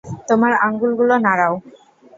তোমার আঙুলগুলো নাড়াও!